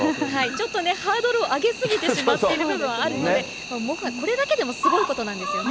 ちょっとね、ハードルを上げ過ぎてしまっている部分もあるので、これだけでもすごいことなんですよね。